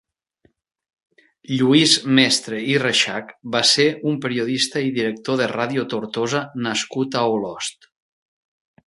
Lluís Mestre i Rexach va ser un periodista i director de Radio Tortosa nascut a Olost.